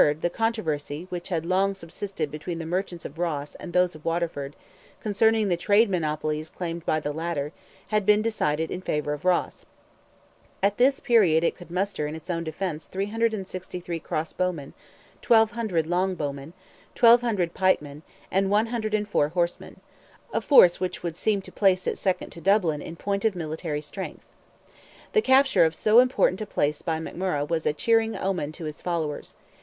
the controversy which had long subsisted between the merchants of Ross and those of Waterford, concerning the trade monopolies claimed by the latter, had been decided in favour of Ross. At this period it could muster in its own defence 363 cross bowmen, 1,200 long bowmen, 1,200 pikemen, and 104 horsemen—a force which would seem to place it second to Dublin in point of military strength. The capture of so important a place by McMurrogh was a cheering omen to his followers.